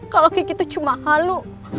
kalau kiki tuh cuma halu